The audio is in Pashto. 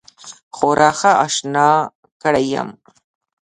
خورا ښه آشنا کړی یم.